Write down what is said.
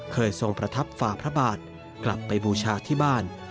ทรงประทับฝ่าพระบาทกลับไปบูชาที่บ้าน